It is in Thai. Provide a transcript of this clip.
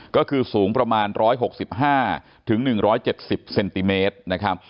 ก็คือสูงประมาณ๑๖๕๑๗๐เซนติเมตรนะครับ